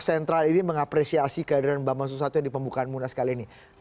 sentral ini mengapresiasi kehadiran mbak susatyo di pembukaan munas kali ini